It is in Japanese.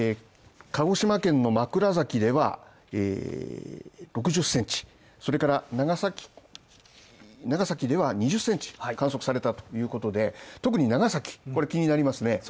鹿児島県の枕崎では６０センチ、それから長崎では２０センチ観測されたということで、特に長崎、これ気になりますね